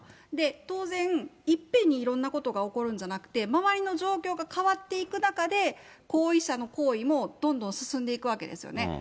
当然、いっぺんにいろんなことが起こるんじゃなくて、周りの状況が変わっていく中で、行為者の行為もどんどん進んでいくわけですよね。